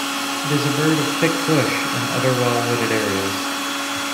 It is a bird of thick bush and other well-wooded areas.